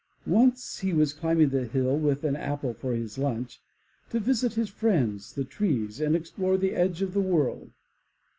Once he was climbing the hill with an apple for his lunch, to visit his friends, the trees, and explore the edge of the world.